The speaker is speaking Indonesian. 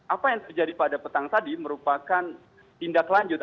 apa yang terjadi pada petang tadi merupakan tindak lanjut